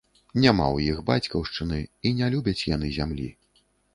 Няма ў іх бацькаўшчыны і не любяць яны зямлі.